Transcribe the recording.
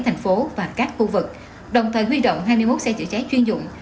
thành phố và các khu vực đồng thời huy động hai mươi một xe chữa cháy chuyên dụng